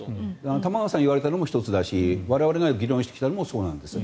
玉川さんが言われたのも１つだし我々が議論してきたのもそうなんです。